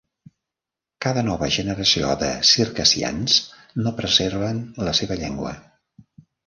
Cada nova generació de circassians no preserven la seva llengua.